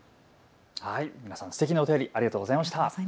皆さん、すてきなお便りありがとうございました。